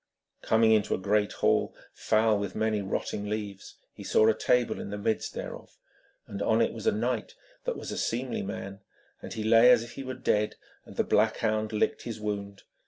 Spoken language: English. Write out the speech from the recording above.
Coming into a great hall, foul with many rotting leaves, he saw a table in the midst thereof, and on it was a knight that was a seemly man, and he lay as if he were dead, and the black hound licked his wound.